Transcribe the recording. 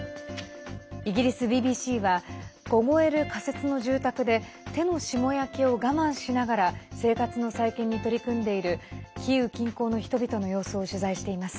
イギリスＢＢＣは凍える仮設の住宅で手の霜焼けを我慢しながら生活の再建に取り組んでいるキーウ近郊の人々の様子を取材しています。